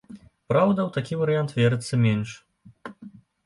Праўда, у такі варыянт верыцца менш.